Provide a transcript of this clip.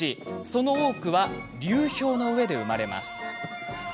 その多くは流氷の上で生まれます。